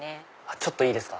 ちょっといいですか？